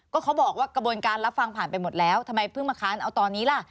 ก็เขาบอกว่ากระบวนการรับฟังผ่านไปหมดแล้วทำไมเพิ่งมาค้านเอาตอนนี้ล่ะ